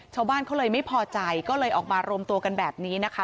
ชาวบ้านเขาเลยไม่พอใจก็เลยออกมารวมตัวกันแบบนี้นะคะ